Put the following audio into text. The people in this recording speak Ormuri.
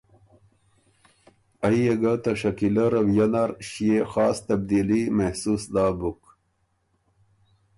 ائ يې ګه ته شکیلۀ رؤیۀ نر ݭيې خاص تبدیلي محسوس داک بُک